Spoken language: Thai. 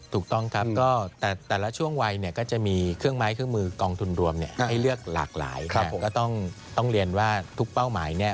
ถูกต้องครับก็แต่ละช่วงวัยเนี่ยก็จะมีเครื่องไม้เครื่องมือกองทุนรวมเนี่ยให้เลือกหลากหลายครับผมก็ต้องเรียนว่าทุกเป้าหมายเนี่ย